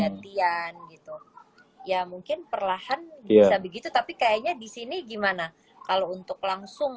gantian gitu ya mungkin perlahan bisa begitu tapi kayaknya di sini gimana kalau untuk langsung